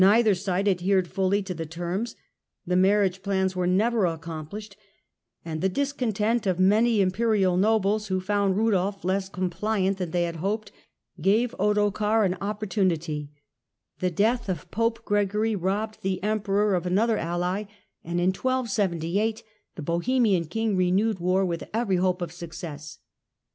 Neither side adhered fully to the terms, the marriage plans were never accomplished, and the discontent of many Imperial nobles, who found Rudolf less compHant than they had hoped, gave GERMANY AND THE EMPIRE, 1273 1378 H Ottokar an opportunity ; the death of Pope Gregory robbed the Emperor of another alJy ; and in 1278 the Bohemian King renewed war with every hope of success.